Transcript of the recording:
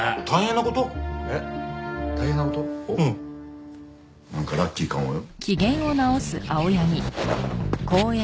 なんかラッキーかもよ。